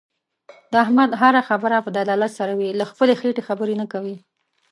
د احمد هر خبره په دلالت سره وي. له خپلې خېټې خبرې نه کوي.